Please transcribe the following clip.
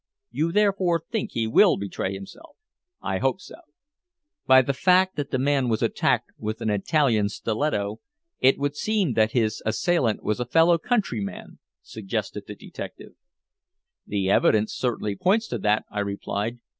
"You therefore think he will betray himself?" "I hope so." "By the fact that the man was attacked with an Italian stiletto, it would seem that his assailant was a fellow countryman," suggested the detective. "The evidence certainly points to that," I replied.